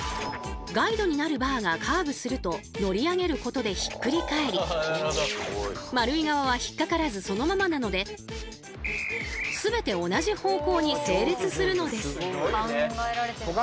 ガイドになるバーがカーブすると乗り上げることでひっくり返り丸い側は引っ掛からずそのままなのでそう！